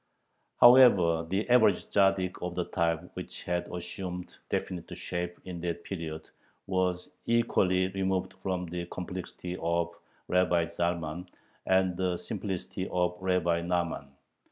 However, the average Tzaddik of the type which had assumed definite shape in that period was equally removed from the complexity of Rabbi Zalman and the simplicity of Rabbi Nahman.